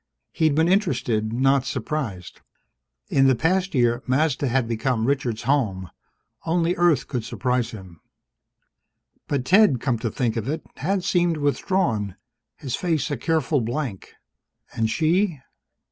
He'd been interested, not surprised. In the past year, Mazda had become Richard's home; only Earth could surprise him. But, Ted, come to think of it, had seemed withdrawn, his face a careful blank. And she?